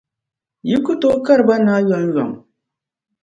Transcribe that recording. yi ku tooi kari ba naai yomyom.